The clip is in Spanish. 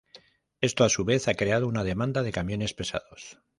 Esto a su vez ha creado una demanda de camiones pesados.